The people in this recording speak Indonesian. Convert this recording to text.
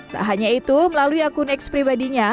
tak hanya itu melalui akun eks pribadinya